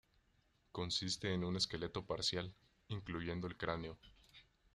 Consiste en un esqueleto parcial, incluyendo el cráneo.